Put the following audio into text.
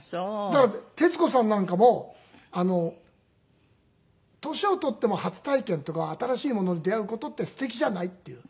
だから徹子さんなんかも年を取っても初体験とか新しいものに出会う事ってすてきじゃないっていう。